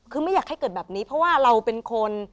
คือไม่อยากให้เกิดแบบนี้เพราะว่าเราเป็นคน